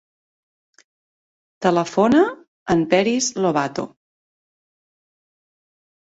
Telefona al Peris Lobato.